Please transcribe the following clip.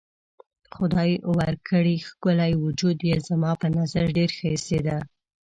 خدای ورکړی ښکلی وجود یې زما په نظر ډېر ښه ایسېده.